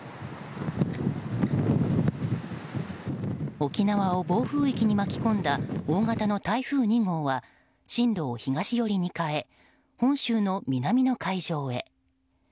沖縄を暴風域に巻き込んだ大型の台風２号は進路を東寄りに変え本州の南の海上へ。